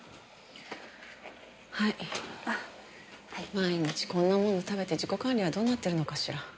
毎日こんなもの食べて自己管理はどうなってるのかしら。